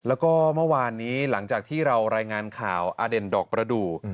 แล้วก็เมื่อวานนี้หลังจากที่เรารายงานข่าวอเด่นดอกประดูก